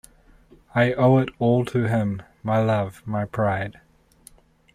I owe it all to him, my love, my pride!